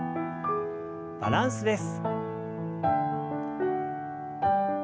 バランスです。